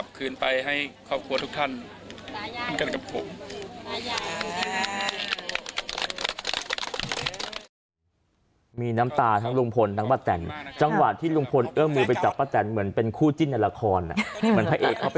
ว่าก็ต้องขอพระคุณมากนะครับ